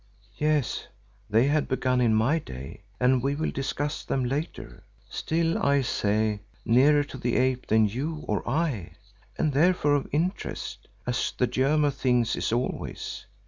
"Yes, they had begun in my day and we will discuss them later. Still, I say—nearer to the ape than you or I, and therefore of interest, as the germ of things is always.